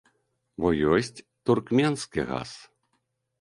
Бо ёсць туркменскі газ.